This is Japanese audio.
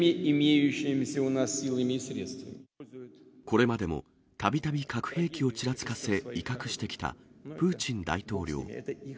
これまでもたびたび核兵器をちらつかせ、威嚇してきたプーチン大統領。